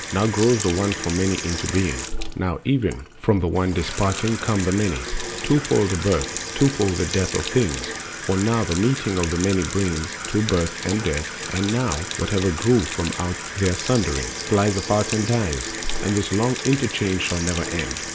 Now grows The One from Many into being, now Even from the One disparting come the Many. Twofold the birth, twofold the death of things: For, now, the meeting of the Many brings To birth and death; and, now, whatever grew From out their sundering, flies apart and dies. And this long interchange shall never end.